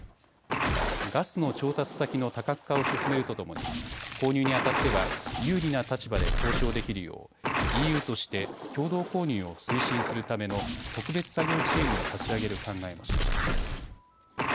また、ガスの調達先の多角化を進めるとともに購入にあたっては有利な立場で交渉できるようＥＵとして共同購入を推進するための特別作業チームを立ち上げる考えも示しました。